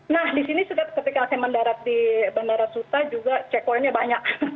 nah di sini sudah ketika saya mendarat di bandara suta juga checkpointnya banyak